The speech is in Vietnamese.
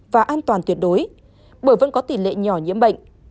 và an toàn tuyệt đối bởi vẫn có tỷ lệ nhỏ nhiễm bệnh